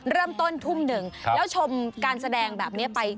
เริ่มต้นทุ่มหนึ่งแล้วชมการแสดงแบบนี้ไป